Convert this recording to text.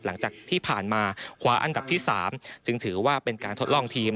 หลังจากที่ผ่านมาคว้าอันดับที่๓จึงถือว่าเป็นการทดลองทีม